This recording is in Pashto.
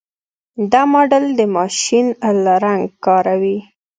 دا ماډل د ماشین لرنګ کاروي.